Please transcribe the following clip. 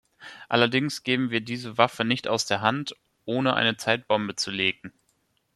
Allerdings geben wir diese Waffe nicht aus der Hand, ohne eine Zeitbombe zu legen.